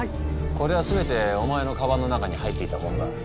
これは全てお前のかばんの中に入っていたものだ。